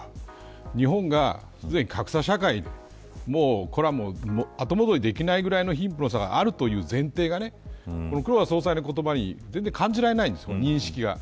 日本が、すでに格差社会でこれは後戻りできないぐらいの貧富の差があるという前提が黒田総裁の言葉に全然感じられないんです、認識が。